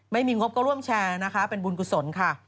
ไม่มีงบก็ร่วมแชร์เป็นบุญกุศลค่ะ